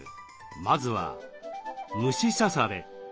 まずは「虫刺され」。